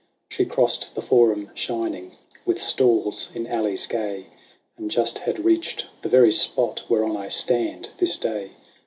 She crossed the Forum shining with stalls in alleys gay. And just had reached the very spot whereon I stand this day.